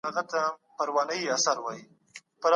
کمپيوټر د سياحت مرسته کوي.